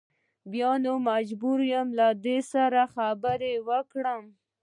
بیا نو مجبور یم له دوی سره خبرې وکړم.